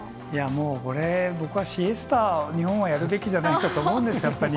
もうこれ、僕はシエスタ、日本はやるべきじゃないかと思うんですよ、やっぱり。